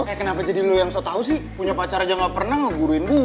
oke kenapa jadi lu yang so tau sih punya pacar aja gak pernah ngeguruin gue